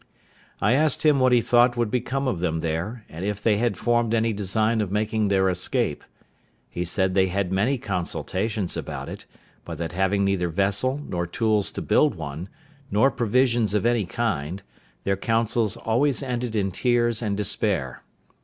I asked him what he thought would become of them there, and if they had formed any design of making their escape. He said they had many consultations about it; but that having neither vessel nor tools to build one, nor provisions of any kind, their councils always ended in tears and despair.